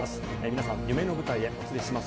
皆さん夢の舞台へお連れしますよ